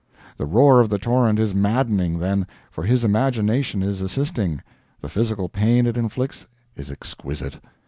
The roar of the torrent is maddening, then, for his imagination is assisting; the physical pain it inflicts is exquisite.